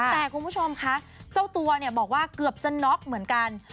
แต่คุณผู้ชมคะเจ้าตัวเนี่ยบอกว่าเกือบจะน็อกเหมือนกัน